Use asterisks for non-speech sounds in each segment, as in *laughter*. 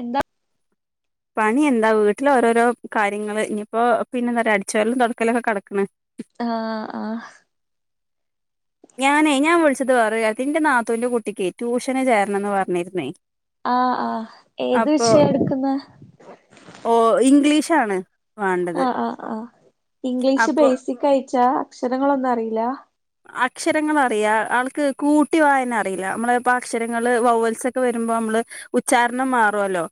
എന്താ പണി എന്താ വീട്ടിലഓരോരോ കാര്യങ്ങള് ഇനിയിപ്പോ പിന്നെ എന്താ പറയാ അടിച്ചവരലും തുടക്കലൊക്കെ കടക്കണ് ആഹ് ആഹ് ഞാനേ ഞാൻ വിളിച്ചത് പറ നിന്റെ നാത്തൂറെ കുട്ടിക്ക് ട്യൂഷന് ചേരണംന്ന് പറഞ്ഞിരുന്നേ ആഹ് ആഹ് ഏത് അപ്പൊ വിഷയ എടുക്കുന്ന ഓ ഇംഗ്ലീഷാണ് വേണ്ടത് ആഹ ആഹ് ആഹ് ഇംഗ്ലീഷ് അപ്പൊ ബേസ് കഴിച്ച അക്ഷരങ്ങളൊന്നും അറീല. അക്ഷരങ്ങൾ അറിയാ ആൾക്ക് കൂട്ടി വായന അറിയില്ല നമ്മള് ഇപ്പോ അക്ഷരങ്ങള്ൾ വൗവൽസ് ഒക്കെ വരുമ്പോ നമ്മള് ഉച്ചാരണം മാറു അല്ലോ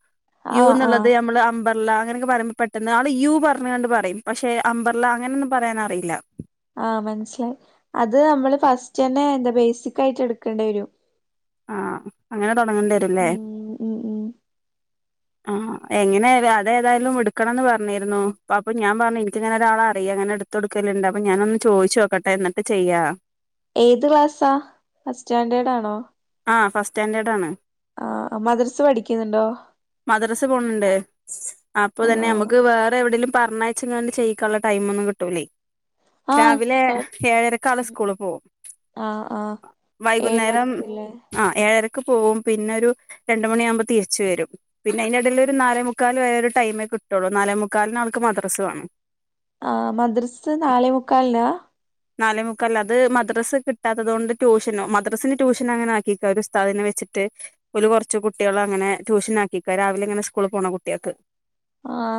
യൂ ആഹ് എന്നുള്ളത് ആഹ് നമ്മൾ അമ്പ ർല അങ്ങനെയൊക്കെ പറയുമ്പ പെട്ടന്ന് ആള് യു പറഞ്കാണ്ട് പറയും പക്ഷെ അമ്പർല അങ്ങനൊന്നും പറയാൻ അറിയില്ല. ആഹ് മനസ്സിലായി അത് നമ്മള് ഫസ്റ്റ് തന്നെ എന്താ ബേസിക് ആയിട്ട് എടുക്കേണ്ട വെരും. ആഹ് അങ്ങനെ തൊടങ്ങണ്ടി വരുല്ലേ? ഉം ഉം ഉം ആഹ് എങ്ങനായാലും അതെ ഏതായാലും എടുക്കണംന്ന് പറഞ്ഞിരുന്നു അ അപ്പൊ ഞാൻ പറഞ്ഞു എനിക്കിങ്ങനെ ഒരാളെ അറിയാം അങ്ങനെ എട് ത്തൊട്ക്കലിണ്ട് അപ്പ ഞാനൊന്ന് ചോയിച്ചു നോക്കട്ടെ എന്നിട്ട് ചെയ്യാ ഏത് ക്ലാസ്സാ ഫസ്റ്റ് സ്റ്റാൻഡേർഡ് ആണോ? ആഹ് ഫസ്റ്റ് സ്റ്റാൻഡേർഡാണ്. ആഹ് മദ്രസ് പഠിക്കുന്നിണ്ടോ? മദ്രസ്സ പോണിണ്ട്. അപ്പ തന്നെ ആഹ് ഞമ്മക്ക് വേറെ എവിടെലും പറഞ്ഞ് അയ്ച്ച്ങ്ങാണ്ട് ചെയ്യിക്കാനിള്ള ടൈംമൊന്നും കിട്ടൂലേയ്. ആഹ് രാവിലെ കൊഴ ഏഴരക്ക്‌ ആള് സ്കൂള് പോവും. ആഹ് ആഹ് വൈകുന്നേരം ഏഴരക്ക്‌ ലേ ആഹ് ഏഴരക്ക് പോവും പിന്നെ ഒരു രണ്ട്മണിയാവുമ്പ തിരിച്ച് വെരും. പിന്നെ അയിന്റെ എടെല് ഒരു നാലേ മുക്കാൽ വരെ ഒര് ടൈമേ കിട്ടൊള്ളൂ നാലേ മുക്കാലിന് അവർക്ക് മദ്രസ വേണം. ആഹ് മദ്രസ് നാലേമുക്കാലിനാ? നാലേമുക്കാലിന് അത് മദ്രസ് കിട്ടാത്തത് കൊണ്ട് ട്യൂഷനോ മദ്രസിന് ട്യൂഷൻ അങ്ങനാക്കിക്കാ ഒരു ഉസ്താദിനെ വെച്ചിട്ട് ഓല് കൊറച്ച് കുട്ടികള് അങ്ങനെ ട്യൂഷൻ ആക്കിക്കാ രാവിലെ ഇങ്ങനെ സ്കൂളി പോണ കുട്ട്യാക്ക്. ആഹ്.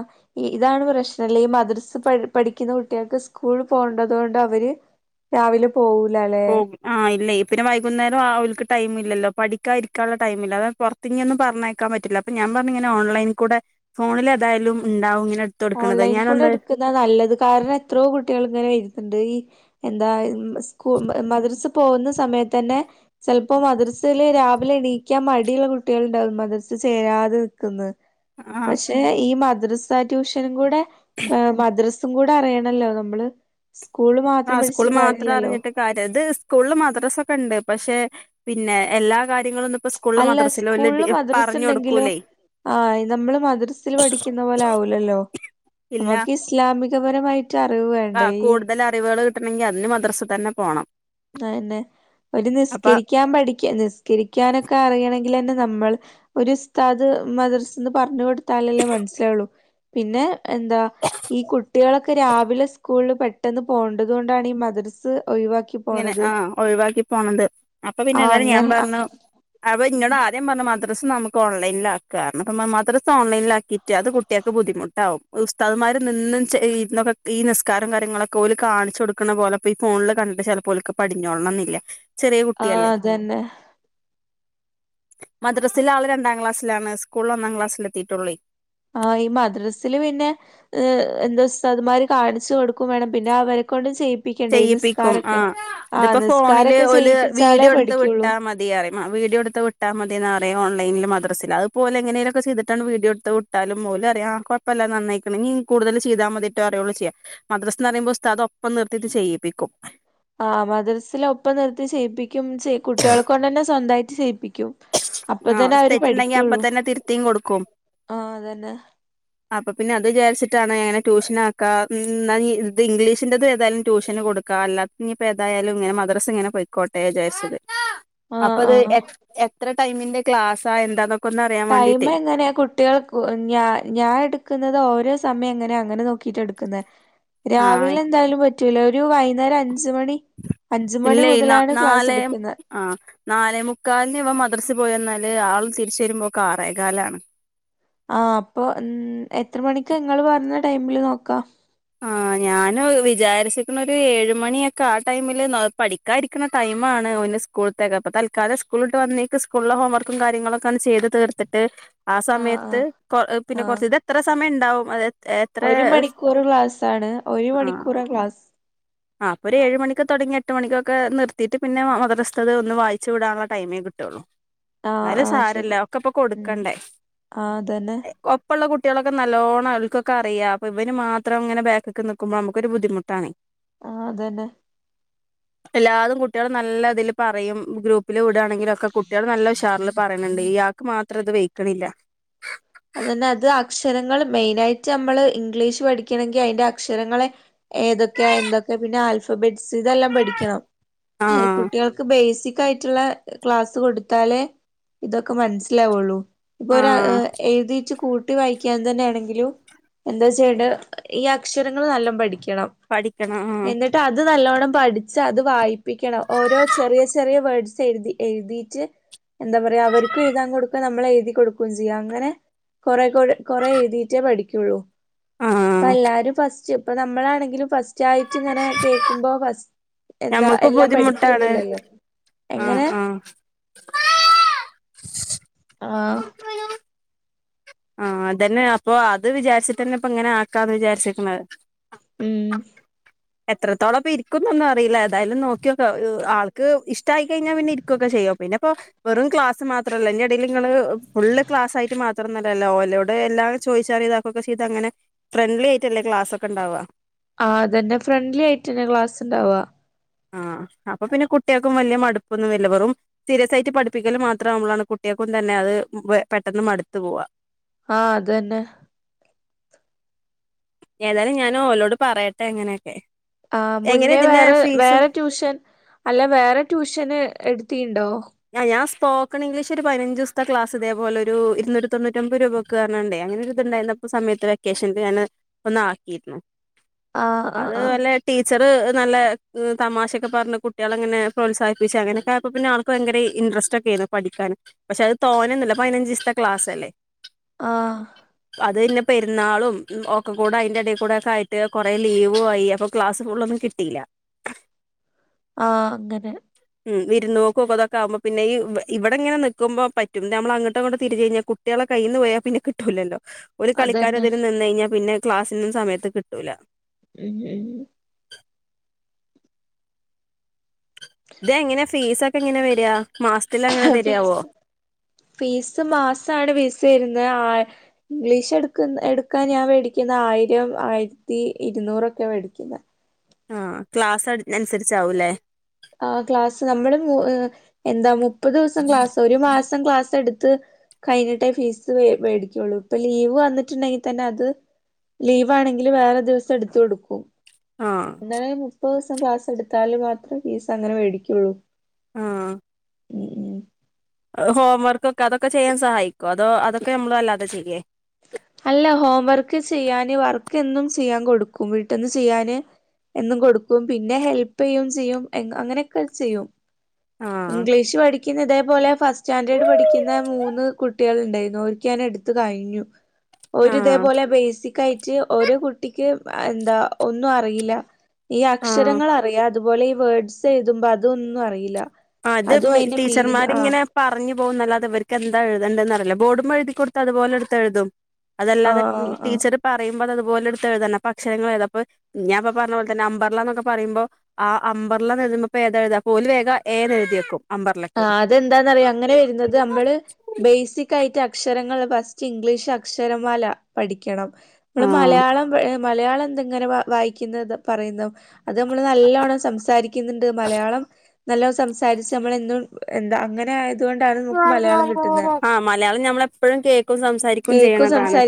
ഇതാണ് പ്രശ്നം ലെ ഈ മദ്രസ് പഠ് പഠിക്കി‌ന്ന കുട്ട്യാക്ക് സ്കൂള് പോണ്ടത് കൊണ്ട് അവര് രാവിലെ പോവൂലാ ലെ. പോകും ആഹ് ഇല്ലേയ് പിന്നെ വൈകുന്നേരം ആഹ് ഓൽക്ക് ടൈം ഇല്ലല്ലോ പഠിക്കാ ഇരിക്കാൻ ഇള്ള ടൈംമില്ല അതാ പൊറ ങ്ങൊന്നും പറഞ്ഞേക്കാൻ പറ്റില്ല അപ്പൊ ത്തിഞ് പറഞ്ഞയക്കാൻ പറ്റില്ല അപ്പം ഞാൻ പറഞ്ഞു ഇങ്ങനെ ഓൺലൈൻ കൂടെ ഫോണില് അതായാലും ഇണ്ടാവും ഇങ്ങനെ ത്ത് കൊട്ക്കണത് ഞാനൊന്ന് ഇതാ നല്ലത് കാരണം എത്രോ കുട്ടികള് ഇങ്ങനെ വെര്ന്ന്ണ്ട് ഈ എന്താ ഇമ് സ്കൂ മദ്രസ പോകുന്ന സമയത്തന്നെ ചെൽപ്പോ മദ്രസെല് രാവിലെ എണീക്കാൻ മടിയുള്ള കുട്ടികള് ഇണ്ടാവും മദ്രസ ചേരാതെ നിക്ക്‌ന്ന് ആഹ് പക്ഷെ ഈ മദ്രസ ട്യൂഷനും കൂടെ മദ്രസ് ഇതും കൂടെ അറിയണല്ലോ നമ്മള് സ്കൂള് മാത്രം ആഹ് സ്കൂൾ പഠിച്ച്ട്ട് മാത്രം കാര്യില്ലല്ലോ അറിഞ്ഞിട്ട് കാര്യം ഇത് സ്കൂളിൽ മദ്രസ ഒക്കെ ഇണ്ട് പക്ഷെ പിന്നെ എല്ലാ കാര്യങ്ങളും ഒന്നും ഇപ്പ സ്കൂളില് അല്ല മദ്രസല് ഓല് പറഞ് കൊട്ക്കൂലേ ആയി നമ്മള് മദ്രസില് പഠിക്ക്‌ന്ന പോലെ ആവൂലല്ലോ? ഇല്ല. ഇസ്ലാമിക പരമായി ട്ടറിവ് വേ ആഹ് കൂട്തല് അറിവുകള് കിട്ടണെങ്കി അതിന് മദ്രസി തന്നെ പോണം. അ അന്നെ ഓര് അപ്പൊ നിസ്കരിക്കാൻ പഠിക്ക നിസ് ക്കരിക്കാനൊക്കെ അറിയണെങ്കിലന്നെ നമ്മള് ഒര് ഉസ്താദ് മദ്രസിന്ന് പറഞ് കൊട് ത്താലല്ലേ മനസ്സിലാവുള്ളു പിന്നെ എന്താ ഈ കുട്ടികളൊക്കെ രാവിലെ സ്കൂളില് പെട്ട് ട്ടെന്ന് പോണ്ടത് കൊണ്ടാണി ഈ മദ്രസ് ഒഴിവാക്കി ഇങ്ങനെ പോണത് ആഹ് ഒഴിവാക്കി പോണത് അപ്പ പിന്നെ ആഹ് എന്തായാലും ഞാൻ അങ്ങനെ പറഞ്ഞു ആഹ് അപ്പ ഇന്നോട് ആ ത്യം പറഞ്ഞ മദ്രസ് നമ്മക്ക്‌ ഓലൈൻലിലാക്കാം കാരണം അപ്പ മദ്രസ് ഓൺലൈൻലിലാക്കിറ്റ് അത് കുട്ട്യാക്ക് ബുദ്ധിമുട്ടാവും ഉസ്താദ്മാര് നിന്ന് ചെയ്യ്ന്നൊക്കെ ഈ നിസ്കാരം കാര്യങ്ങളൊക്കെ ഓല് കാണിച്ച് കൊട്ക്കണ പോലെ ഇപ്പ ഈ ഫോണില് ക ചെലപ്പ ഓൽക്ക്‌ പടിഞ്ഞോ *unintelligible* ൾണംന്നില്ല ആഹ് അത് തന്നെ മദ്രസില് ആള് രണ്ടാംക്ലാസിലാണ് സ്കൂളില് ഒന്നാം ക്ലാസിലെത്തിട്ടൊള്ളേ ആഹ് ഈ മദ്രസില് പിന്നെ എന്താ ഉസ്താദ്മാര് കാണിച്ച് കൊട്ക്കുംവേണം പിന്നെ അവരെക്കൊണ്ട് ചെയ്യ് ചെയ്യിപ്പിക്കും ആഹ് ഇതിപ്പോ ഫോണില് നിസ്കാരൊക്കെ ഓല് ചെയ്യിപ്പിച്ചാലേ വീഡിയോ എട്ത്ത് പഠിക്കുള്ളൂ വിട്ടാമതി തിറയും വീഡിയോ എട്ത്ത് വിട്ടാമതി എന്ന് പറയും ഓൺലൈനില് മദ്രസില് അതുപോലെ എങ്ങനെലുക്കെ ചെയ്തിട്ട് വീഡിയോ എട്ത്ത് വി ട്ടാലും ഓല് പറയും ആഹ് കൊഴപ്പല്ല നന്നായിക്ക്‌ണ് ഇഞ്ഞി കൂടതല് ചെയ്താമതിട്ടൊ അതേപോലെ ചെയ്യാം മദ്രസിന്ന് എന്ന് പറയുമ്പോ ഉസ്താദ് ഒപ്പം നിർത്തിയിട്ട് ചെയ്യിപ്പിക്കും ആഹ് മദ്രസില് ഒപ്പം നിർത്തി ചെയ്യിപ്പിക്കും ചെ ഈ കുട്ടികളെകൊണ്ട് തന്നെ സ്വന്തായിട്ട് ചെയ്യിപ്പിക്കും. ആഹ് അപ്പതന്നെ അവര് തെറ്റുണ്ടെങ്കി അപ്പ പഠിക്കുള്ളൂ തന്നെ തിരുത്തിയും കൊടുക്കും ആഹ് അത് തന്നെ അപ്പൊ പിന്നെ അത് വിചാരിച്ചിട്ടാണ് എങ്ങനെ ട്യൂഷനാക്കാം മ്മ് ഇത് ഇംഗ്ലീഷിന്റെറത് ഏതായാലും ട്യൂഷന് കൊടുക്കാ അല്ലാ ഇനിയിപ്പോ എതായാലും ഇങ്ങനെ മദ്രസ് ഇങ്ങനെ പോയിക്കോട്ടെ വിചാരിച്ചത് ആഹ് അപ്പൊ അത് ആഹ് എ എത്ര ടൈമിന്റെ ക്ലാസ്സാ എന്താന്നൊക്കെ ഒന്ന് അറിയാൻ ടൈം വേണ്ടീട്ടേ എങ്ങനെയാ കൊട്- കുട്ടികൾക്ക്‌ ഞ ഞാൻ എടുക്കുന്നത് ഓരോ സമയം എങ്ങനെയ അങ്ങനെ നോക്കിട്ട എടുക്കുന്നത് ആഹ് രാവിലെ എന്തായാലും പറ്റൂല ഒരു വൈകുന്നേരം അഞ്ച് മണി അഞ്ച് മണി ഇല്ലേ മുതലാണ് ക്ലാസ് നാലെ എടുക്കുന്നെ ആഹ് നാലേമുക്കാലിന് ഇവൻ മദ്രസെ പോയി വന്നാല് ആള് തിരിച്ചു വരുമ്പോ ആറേ കാലാണ് ആഹ് അപ്പൊ ഉം എത്ര മണിക്ക് ഇങ്ങള് പറഞ്ഞ ടൈമില് നോക്കാം ആഹ് ഞാന് വിചാരിച്ചിക്കണത് ഒരു ഏഴ് മണിയൊക്കെ ആ ടൈമില് പഠിക്ക- ഒക്കരിക്കുന്ന ടൈമാണ് ഓന് സ്കൂളത്തേക്കെ തൽക്കാലം സ്കൂള് വിട്ട് വന്നേടെ സ്കൂള് ഹോംവർക്കും കാര്യങ്ങളൊക്കെ ചെയത് തീർത്തിട്ട്- ഏഹ് ആ ആഹ് സമയത്ത് ആഹ് പിന്നെ ആഹ് കൊറച്ച് ഇത് എത്ര സമയം ഉണ്ടാവും അ- ഒരു മണിക്കൂർ ക്ലാസ് ആണ് ഒരു മണിക്കൂർ ക്ലാസ് ആഹ് ഒരു ആ ഏഴ് മണിക് തൊടങ്ങി എട്ട് മണിക്കൊക്കെ നിർത്തിട്ട് പിന്നെ മ മദ്രസ്ഥ ഒന്ന് വായിച്ച് വിടാനൊള്ള ടൈമേ കിട്ടുള്ളു ആഹ് എന്നാലും ആഹ് ശരി സാരമില്ല ഒക്കെ ഇപ്പൊ ഉം കൊടുക്കണ്ടേ ആഹ് അതന്നെ ഇപ്പയുള്ള കുട്ടികളക്കെ നല്ലോണം അവർക്കൊക്കെ അറിയാം അപ്പൊ ഇവന് മാത്രം ഇങ്ങനെ ബായ്ക്കി നിക്കുമ്പോ നമുക്കൊരു ബുദ്ധിമുട്ടാണെ ആ അത് തന്നെ എല്ലാതും കുട്ടികളും നല്ല ഇതിൽ പറയും ഗ്രൂപ്പിൽ വിടുകയാണെങ്കിലുക്കെ കുട്ടികൾ നല്ല ഉഷാറില് - പറയണുണ്ട് ഇയാക്ക് മാത്രം ഇത് വെയ്ക്ക്ണില്ല അത് എന്നാ അത് അക്ഷരങ്ങൾ മെയിനയിട്ട് നമ്മള് ഇംഗ്ലീഷ് പഠിക്കണങ്കീലെ അതിന്റെ അക്ഷരങ്ങളെ- ഏതൊക്കെയ എന്തൊക്കെ പിന്നെ ആൽഫബെറ്റ്സ് ഇതെല്ലാം പഠിക്കണം ആ കുട്ടികൾക്ക് ബേസിക്- സിക് അയിട്ടള്ള ക്ലാസ് കൊടുത്താലേ ഇതൊക്കെ മനസ്സിലാവുള്ളൂ ഇപ്പൊ ആ എഴുതിട്ട് കൂട്ടി വായിക്കാൻ തന്നെയാണെങ്കിലും - എന്താ ചെയ്യേണ്ടേ ഈ അക്ഷരങ്ങള് നല്ല പഠിക്കണം പഠിക്കണം ആഹ് എന്നിട്ട് അത് നല്ലവണ്ണം പഠിച്ച് അത് വായിപ്പിക്കണം ഓരോ ചെറിയ ചെറിയ വേഡ്സ് എഴുതി എഴുതിട്ട്- എന്താ പറയാ അവർക് എഴുതാൻ കൊടുക്കുക നമ്മള് എഴുതി കൊടുകും ചെയ്യാം അങ്ങനെ- കൊറ കൊട് കൊറെ എഴുതിട്ടേ പഠിക്കുള്ളൂ ആ അപ്പ എല്ലാരും ഫസ്റ്റ്- ഇപ്പൊ നമ്മളാണെങ്കിലും ഫസ്റ്റ് ആയിട്ട് ഇങ്ങനെ കേൾക്കുമ്പോ ഫസ്റ്റ്- എന്താ ഞമ്മക്ക് എല്ലാം പഠിക്കൊന്നും ബുദ്ധിമുട്ടാണ് ഇല്ലല്ലോ ആ എങ്ങനെ- ആ ആഹ് ആഹ് അത് തന്നെ അപ്പൊ അത് വിചാരിച്ചിട്ടന്നെ ഇപ്പ ഇങ്ങനെ ആക്കാന്ന് വിചാരിചെക്ക്ന്നത് ഉം ടു ടു എത്രത്തോളം ഇരിക്കുന്നൊന്നും അറില്ല ഏതായാലും നോക്കിയോക്ക ആൾക്ക് ഇഷ്ടയിക്കഴിഞ്ഞാൽ പിന്നെ ഇ ക്കെ ചെയ്യോ പിന്നെപ്പോ വെറും ക്ലാസ് മാത്രല്ല ന്റെടയിൽ ഇങ്ങള് ഫുള്ള് ക്ലാസ് ആയിട്ട് മാത്രംല്ല ല്ല ഓലോട് എല്ലാം ചോയ്ച്ചാറിയ ഇതാക്കക്കെ ചെയത് അങ്ങനെ ഫ്രണ്ട്ലി ആയിട്ടല്ലേ ക്ലാസ് ഒക്കെ ഉണ്ടവുക ആഹ്തന്നെ ഫ്രണ്ട്ലി ആയിട്ട് തന്നെ ക്ലാസ് ഉണ്ടാവാ ആഹ അപ്പൊ പിന്നെ കുട്ടികൾക്കും വലിയ മടുപ്പന്നും വെരൂലാ വെറും സീരിയസ് ആയിട്ട് പഠിപ്പിക്കല് മാത്രം ആവുപോളാണ് കുട്ടിയെക്കുന്നെ അത് പെട്ടെന്ന് മടുത്ത് പോവാ ആഹ് അതന്നെ ഏതായാലും ഞാന് ഓലോട് പറയട്ടെ ഇങ്ങനെയൊക്കെ ആഹ് മുന്നേ വേറെ വേറെ ട്യൂഷൻ അല്ല വേറെ ട്യൂഷന് എടെത്തിണ്ടോ ആഹ് ഞാൻ സ്പോക്കൺ ഇംഗ്ലീഷ് ഒരു പതിനഞ്ച് ദിവത്തെ ക്ലസ്തേപോലെരു ഇരുന്നൂറ്റ തൊണൂറ്റമ്പ രൂപക് ക്ക്റഞ്ഞാടെ അങ്ങനെ ഒരു ഇതുണ്ടരപ്പോ സമയത്ത് വെക്കേഷനി ഞാന് ഒന്ന ആക്കിനി ആ ആ അത് ആ പോലെ ടീച്ചറ് നല്ല തമാശൊക്കെ പറഞ് കുട്ടികള അങ്ങനെ പ്രോത്സാഹിപ്പിച്ച് അങ്ങനൊക്കെയെപ്പോ പിന്നെ ആൾ ഭയങ്കര ഇൻട്രസ്റ്റ് ഒക്കെയായിരുന്നു പഠിക്കാൻ പക്ഷെ അത് തോന്നന്നില്ല പതിനഞ്ച് ദിവസത്തെ ക്ലാസ് അല്ലേ ആഹ് അത് കയിഞ്ഞ് പെരുന്നാളും ഒക്കെ കൂടെ അതിന്റെടയിൽ കൂടെ ഒക്കെ ആയിട്ട് കുറെ ലീവ ആയി അപ്പൊ ക്ലാസ്സ് ഫുള്ളൊന്നും കിട്ടിയില്ല ആഹ അങ്ങനെ ഉം വിരുന്നോക്ക് തൊക്കെകുമ്പോ പിന്നെഈ ഇവിടെ ഇ ങ്ങനെ നിക്കുമ്പോ പറ്റും നമ്മൾങ്ങട്ടുംങ്ങോട്ട തിരിച്ച കഴിഞ്ഞാ കുട്ടികളെ കയ്യിന്ന് പോയാ പിന്നെ കിട്ടുല്ലല്ലോ ഒരു കളിക്കാനും അതന്നെ ഇതിനും നിന്ന് കഴിഞ്ഞാൽ പിന്നെ ക്ലാസ്സിനന്നും സമയത്ത് കിട്ടൂല ഉം ഇതങ്ങനെ ഫീസ് ഒക്കെ എങ്ങനെ വരിക മാസത്തില ഫീസ് ഫീസ് മാസമാണ് ഫീസ് വരുന്നത് ആഹ് ഇംഗ്ലീഷ് എടുക്കുന്ന എടുക്കാൻ ഞാൻ മേടിക്കുന്ന ആയിരം ആയിരത്തി ഇരുന്നൂറൊക്കെയ മേടിക്കുന്നത് ആഹ ക്ലാസ് അനുസരിച്ചാവൂല്ലേ ആ ക്ലാസ്സ് നമ്മള് എന്താ മുപ്പത് ദിവസം ക്ലാസ് ഒരു മാസം ക്ലാസ്സ് എടു ത്ത് കഴിഞ്ഞിട്ടേ ഫീസ് മേടിക്കുള്ളൂ ഇപ്പൊ ലീവ് വന്നിട്ടുണ്ടെങ്കിൽ തന്നെ അത് ലീവ് ആണെങ്കിൽ വേറെ ദിവസം എടുത്ത കൊടുക്കും ആ എന്നാല മുപ്പത് ദിവസം ക്ലാസ് എടുത്താല് മാത്രമേ ഫീസ് അങ്ങനെ മേടിക്കുള്ളൂ ആഹ് ഉം ഉം ഹോംവർക്ക്ക്ക ഒക്കെ അതൊക്കെ ചെയ്യാൻ സഹായിക്കോ അതോ അതക്കെ നമ്മൾ ആല്ലാതെ ചെയ്യേ അല്ല ഹോം വർക്ക് ചെയ്യാന് വർക്ക് എന്നും ചെയ്യാൻ കൊടുക്കും വീട്ടന്ന് ചെയ്യാന് എന്നും കൊടുക്കും പിന്നെ ഹെൽപ് ചെയ്യും ചെയ്യും അങ്ങനെയൊക്കെ ചെയ്യും ആ ഇംഗ്ലീഷ് പഠ പഠിക്കുന്ന ഇതേപോലെ ഫസ്റ്റ് സ്റ്റാൻഡേർഡ് പഠിക്കുന്ന മൂന്ന് കുട്ടികൾ ഉണ്ടായിരുന്നു അവർക്ക് ഞാ എടുത്ത് കഴിഞ്ഞു ആ ഒരു ഇതേപോലെ ബേസിക് ആയിട്ട് ഒരുഓരോ കുട്ടിക്ക് എന്താ ഒന്നും അറിയില്ല ഈ ആ അക്ഷരങ്ങൾ അറിയാം അതുപോലെ ഈ വേർഡ്സ് എഴുതുമ്പോ അതൊന്നും അറിയില്ല അത് അതും അതിന്റെ മീനിങ് ആ ടീച്ചർമാരിങ്ങനെ പറഞ്ഞു പോകുന്നല്ലാതെ ഇവർക്ക് എന്താ എഴുതണ്ടന്നറില്ല ബോർഡുമെഴുതി കൊടുത്ത അതുപോലെടുതെയ്‌തും ആ അതല്ലാതെ ആ ടീച്ചർ പറയുമ്പോ അതുപോലെ എടുത്ത്ഴുതന്ന അപ്പക്ഷരങ്ങൾ എഴുതും അപ്പൊ ഞാൻ അപ്പൊ പറഞ്ഞ പോലെ തന്നെ അമ്പർല എന്നൊക്ക പറുമ്പോ ആ അമ്പർല എഴുതുമ്പോ പ്പോ ഏതാ എഴുതാ അപ്പൊ ഓൽ വേഗ 'എ' ന്ന് എഴുതി വെക്കും. ആഹ് അതെന്താന്നറിയൊ അങ്ങനെ വരുന്നത്? നമ്മള് ബേസിക്കായിട്ട് അക്ഷരങ്ങളില് ഫസ്റ്റ് ഇംഗ്ലീഷ് അക്ഷരമാല പഠിക്കണം. നമ്മള് ആഹ് മലയാളം മലയാളം എന്തെങ്ങനെ വ വായിക്കുന്നതും പറയുന്നതും. അത് നമ്മള് നല്ലോണം സംസാരിക്കുന്നുണ്ട്. മലയാളം നല്ലോണം സംസാരിച്ച് നമ്മളെന്നും എന്താ അങ്ങനെ ആയ ആഹ് മലയാളം ഞമ്മളെപ്പഴും കേക്കും സംസാരിക്കോം ചെയ്യണതാണ്.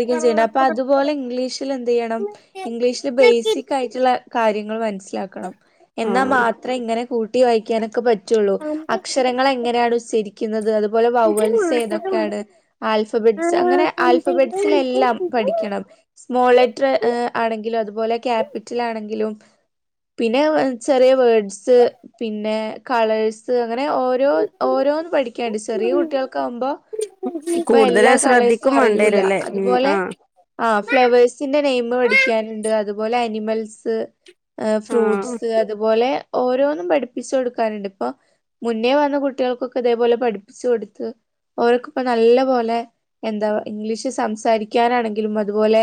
അപ്പ അതുപോലെ ഇംഗ്ലീഷിൽ എന്ത് ചെയ്യണം. ഇംഗ്ലീഷില് ബേസിക്കായിട്ടുള്ള കാര്യങ്ങൾ മനസ്സിലാക്കണം. എന്നാ മാത്രേ ഇങ്ങനെ കൂട്ടി വായിക്കാനൊക്കെ പറ്റുള്ളൂ. അ ക്ഷരങ്ങള് എങ്ങനെയാണ് ഉച്ചരിക്കുന്നത്, അതുപോലെ വവ്വൽസ് ഏതൊക്കെയാണ് ആൽഫബെറ്റ്സ് അങ്ങനെ ആൽഫബെറ്റ്സിലെ എല്ലാം ആഹ് പഠിക്കണം. സ്മോൾ ലെറ്ററ് ആണെങ്കിലും അതുപോലെ ക്യാപിറ്റലാണെങ്കിലും പിന്നെ ചെറിയ വേഡ്സ്, പിന്നെ കളേഴ്സ് അങ്ങനെ ഓരോ രോ ഓരോന്ന് പഠിക്കാന്ണ്ട്. ചെറിയ കുട്ടികൾക്കാവുമ്പോ ഇപ്പ കൂടുതല് എല്ലാ കളേഴ്സും ശ്രദ്ധിക്കും അറിയൂല്ല വേണ്ടിവരൂല്ലേ ഉം അത്പോലെ ആഹ് ആഹ് ഫ്ലവേഴ്സിന്റെ നെയിം പഠിക്കാന്ണ്ട്. അത്പോലെ അനിമൽസ് ആഹ് ഫ്രൂട്ട്സ് അത്പോലെ ഓരോന്നും പഠിപ്പിച്ചു കൊടുക്കാനുണ്ട്. ഇപ്പൊ മുന്നേ വന്ന കുട്ടികൾക്കൊക്കെ ഇതേപോലെ പഠിപ്പിച്ചു കൊടുത്ത്. ഓൽക്ക് ഇപ്പ നല്ല പോലെ എന്താ പ ഇംഗ്ലീഷ് സംസാരിക്കാനാണെങ്കിലും അത്പോലെ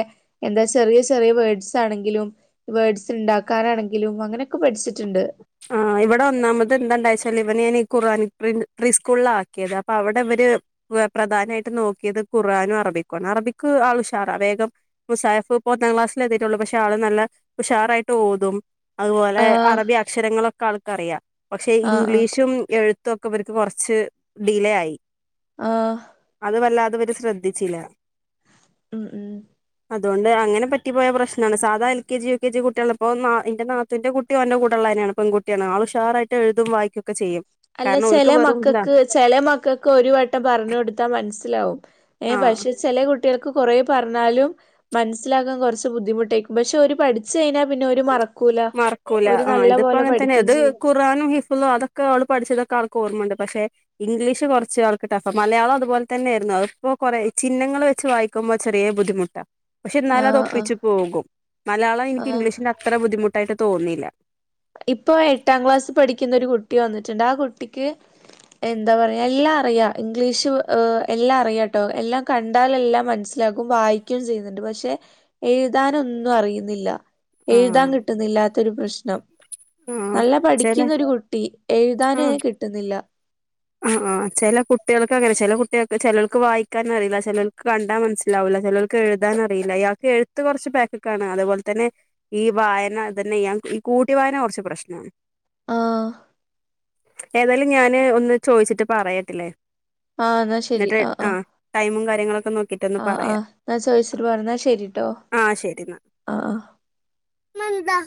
എന്താ ചെറിയ ചെറിയ വേഡ്സാണെങ്കിലും വേഡ്സ്ണ്ടാക്കാനാണെങ്കിലും അങ്ങനെയൊക്കെ പഠിച്ചിട്ട്ണ്ട്. ആഹ് ഇവിടെ ഒന്നാമത് എന്താണ്ടായെച്ചാല് ഇവന് ഞാന് ഈ ഖുറാൻ പ്രീ പ്രീ സ്കൂളിലാ ആക്കിയത്. അപ്പൊ അവിടെ ഇവര് പ്രധാനമായിട്ട് നോക്കിയത് ഖുറാനും അറബിക്കും ആണ്. അറബിക്ക് ആള് ഉഷാറാ. വേഗം മുസായിഫ് ഇപ്പൊ ഒന്നാം ക്ലാസ്സിലെത്തിയിട്ടുള്ളൂ. പക്ഷെ ആള് നല്ല ഉഷാറായിട്ട് ഓതും. അതുപോലെ ആഹ് അറബി അക്ഷരങ്ങളൊക്കെ ആൾക്കറിയാം. പക്ഷെ ആഹ് ആഹ് ഇംഗ്ലീഷും എഴു ത്തൊക്കെ ഇവർക്ക് കൊറച്ച് ഡിലേ ആയി. ആഹ് അത് വല്ലാതെ ഇവര് ശ്രദ്ധിച്ചില്ല. ഉം ഉം അതുകൊണ്ട് അങ്ങനെ പറ്റി പോയ പ്രശ്നാണ്. സാധാ L K G, U K G കുട്ടികള് ഇപ്പോ എന്റെ നാത്തൂന്റെ കുട്ടി ഓന്റെ കൂ ടെയുള്ളന്നേണ് പെൺകുട്ടിയാണ്. ആള് ഉഷാറായിട്ട് എഴുതും വായിക്കൊക്കെ ചെയ്യും. അല്ല കാരണം ഓൽക്ക് ചെല വെറും ഇതാ മക്കക്ക് ചെല മക്കക്ക് ഒരു വട്ടം പറഞ്ഞ് കൊടുത്താ മനസ്സിലാവും. ഏഹ് ആഹ് പക്ഷെ ചെല കുട്ടി കൾക്ക് കൊറേ പറഞ്ഞാലും മനസ്സിലാകാൻ കൊറച്ച് ബുദ്ധിമുട്ടേയ്ക്കും. പക്ഷെ ഓര് പഠി ച്ചയിഞ്ഞാ പിന്നെ ഓര് മറക്കൂല. മറക്കൂല ഓര് ആഹ് നല്ല ഇതിപ്പോ പോലെ അങ്ങനെ തന്നെ പഠിക്കേം ഇത് ചെയ്യും. ഖുറാനും ഹിഫ്ളും അതൊക്കെ ഓള് പഠിച്ചതൊക്കെ ആള്ക്ക് ഓർമ്മയ്ണ്ട്. പക്ഷെ ഇംഗ്ലീഷ് കൊറച്ച് ആൾക്ക് ടഫാ. മലയാളം അതുപോലെ തന്നേയിരുന്നു. അതിപ്പോ കൊറേ ചിഹ്ങ്ങള് വെച്ച് വായി ക്കുമ്പെ ചെറിയേ ബുദ്ധിമുട്ടാ. പക്ഷെ എന്നാലും അത് ആഹ് ആഹ് ഒപ്പിച്ച് പോകും. മലയാളം എനിക്ക് ആഹ് ഇംഗ്ലീഷിന്റെ അത്ര ബുദ്ധിമുട്ടായിട്ട് തോന്നിയില്ല. ഇപ്പൊ എട്ടാം ക്ലാസ് പഠിക്കുന്ന ഒരു കുട്ടി വന്നിട്ടുണ്ട്. ആ കുട്ടിക്ക് എന്താ പറയാ എല്ലാം അറിയാം. ഇംഗ്ലീഷ് എല്ലാം അറിയാംട്ടോ. എല്ലാം കണ്ടാല് എല്ലാം മനസ്സി ലാക്കും വായിക്കോം ചെയ്യുന്നുണ്ട്. പക്ഷെ എഴുതാനൊന്നും അറിയുന്നില്ല എഴുതാൻ ആഹ് കിട്ടുന്നില്ലാത്തൊരു പ്രശ്നം. ആഹ് നല്ല ചെല പഠിക്കുന്ന ഒരു കുട്ടി. ആ എഴുതാനയിന് കിട്ടുന്നില്ല. ആ ആ ചെല കുട്ടികൾക്ക്ക്കങ്ങനെ ചെല കുട്ടികൾക്ക് ചിലവർക്ക് വായിക്കാൻ അറിയില്ല ചിലവർക്ക് കണ്ടാൽ മനസ്സിലാവൂല്ല ചെലർക്ക് ക്ക് എഴുതാൻ അറിയില്ല ഇയാൾക്ക് എഴുത്ത് കുറച്ച് പാക്ക് കാണ് അതുപോലെ തന്നെ ഈ വായനതന്നെ ഞാൻ ഈ കൂട്ടി വായന കുറച്ച് പ്രശ്നാണ് ആഹ് ഏതായാലും ഞാന് ഒന്ന് ചോയിച്ചിട്ട് പറയട്ടില്ലേ ആഹ് എന്നാ ശരി എന്നിട്ട് ആഹ് ആ ആഹ് ടൈമും കാര്യങ്ങളൊക്കെ നോക്കിട്ട് ഒന്ന് ആഹ് പറയാം ആഹ് എന്നാ ചോയിച്ചിട്ട് പറ എന്നാ ശരിട്ടോ ആഹ് ശരി എന്നാ ആഹ് ആഹ് മന്താ